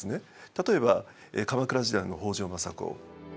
例えば鎌倉時代の北条政子。